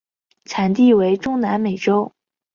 产地为中南美洲。